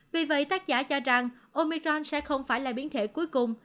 vì vậy tác giả cho rằng omiron sẽ không phải là biến thể cuối cùng